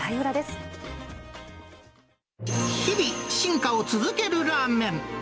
日々進化を続けるラーメン。